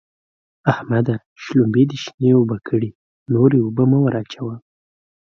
احمده! شلومبې دې شنې اوبه کړې؛ نورې اوبه مه ور اچوه.